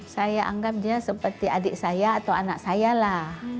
saya anggap dia seperti adik saya atau anak saya lah